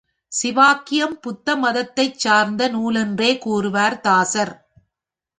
சிவவாக்கியம் புத்த மதத்தைச் சார்ந்த நூலென்றே கூறுவார் தாசர்.